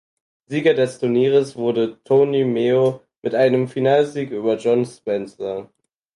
Sieger des Turnieres wurde Tony Meo mit einem Finalsieg über John Spencer.